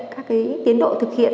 các cái tiến độ thực hiện